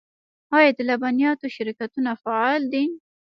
آیا د لبنیاتو شرکتونه فعال دي؟